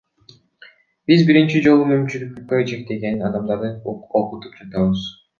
Биз биринчи жолу мүмкүнчүлүгү чектелген адамдарды окутуп жатабыз.